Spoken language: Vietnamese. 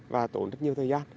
và tốn rất nhiều thời gian